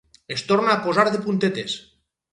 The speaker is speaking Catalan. Es torna a posar de puntetes.